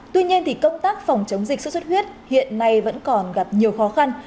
tuy nhiên thì công tác phòng chống dịch xuất xuất huyết hiện nay vẫn còn gặp nhiều khó khăn